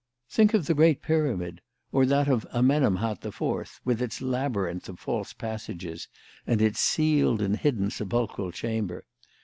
Think of the Great Pyramid, or that of Amenemhat the Fourth with its labyrinth of false passages and its sealed and hidden sepulchral chamber.